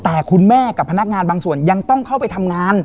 แต่คุณแม่กับพนักงานบางส่วนยังต้องเข้าไปทำงาน